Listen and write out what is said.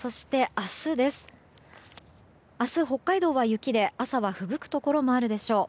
明日、北海道は雪で、朝はふぶくところもあるでしょう。